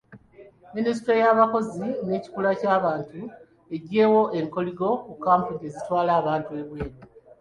Minisitule y'abakozi n'ekikula kya bantu eggyeewo ekkoligo ku kkampuni ezitwala abantu ebweru.